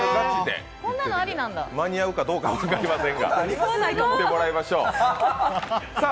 間に合うかどうか分かりませんが、行ってもらいましょう。